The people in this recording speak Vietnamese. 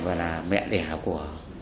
và là mẹ đẻ của